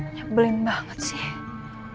nyabelin banget sih